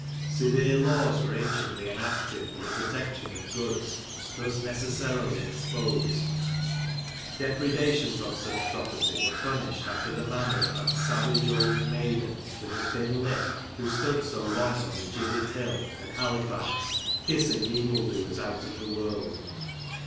Severe laws were anciently enacted for the protection of goods thus necessarily exposed. Depredations on such property were punished after the manner of that savage old " Maiden " with the thin lip, who stood so long on the "Gibbet Hill," at Halifax, kissing evil doers out of the world.